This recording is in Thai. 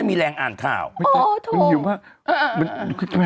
มีแรงนางจะอ่านข่าว